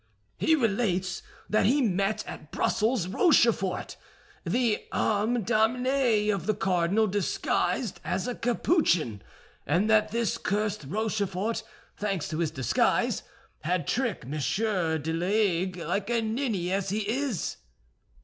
"He relates that he met at Brussels Rochefort, the âme damnée of the cardinal disguised as a Capuchin, and that this cursed Rochefort, thanks to his disguise, had tricked Monsieur de Laigues, like a ninny as he is."